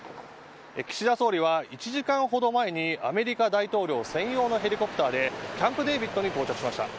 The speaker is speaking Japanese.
岸田総理は１時間ほど前にアメリカ大統領専用のヘリコプターでキャンプデービッドに到着しました。